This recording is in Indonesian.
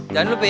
jangan lupa ya